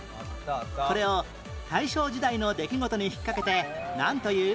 これを大正時代の出来事にひっかけてなんという？